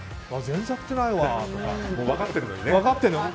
全然やってないわとか分かってるのに。